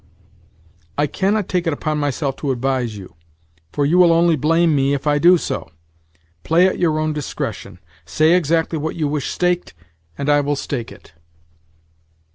"I cannot take it upon myself to advise you, for you will only blame me if I do so. Play at your own discretion. Say exactly what you wish staked, and I will stake it."